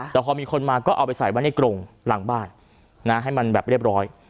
แต่พอมีคนมาก็เอาไปใส่ไว้ในกรงหลังบ้านให้มันแบบเรียบร้อย